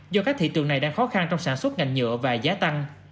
do các thị trường này đang khó khăn trong sản xuất ngành nhựa và giá tăng